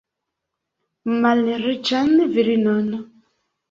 Malriĉan virinon!